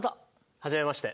はじめまして。